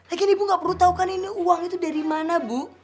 lagi ini ibu gak perlu tau kan ini uang itu dari mana bu